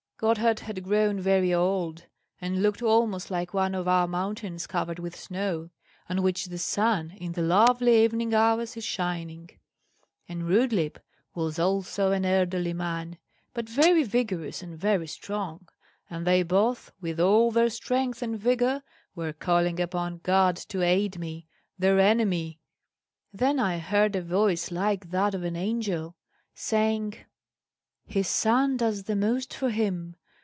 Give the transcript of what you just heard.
Gotthard had grown very old, and looked almost like one of our mountains covered with snow, on which the sun, in the lovely evening hours, is shining; and Rudlieb was also an elderly man, but very vigorous and very strong; and they both, with all their strength and vigour, were calling upon God to aid me, their enemy. Then I heard a voice like that of an angel, saying, 'His son does the most for him!